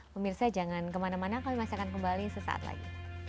pemirsa jangan kemana mana kami masih akan kembali sesaat lagi